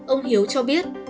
ông hiếu cho biết